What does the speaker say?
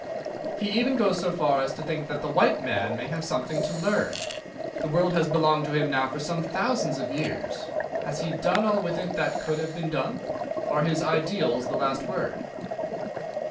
He even goes so far as to think that the white man may have something to learn. The world has belonged to him now for some thousands of years. Has he done all with it that could have been done? Are his ideals the last word?